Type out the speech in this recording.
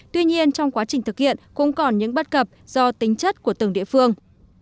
tuy nhiên trong quá trình thực hiện cũng còn những bất cập do tính chất của từng địa phương